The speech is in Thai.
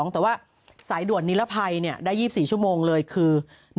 แต่ว่าสายด่วนนิรภัยได้๒๔ชั่วโมงเลยคือ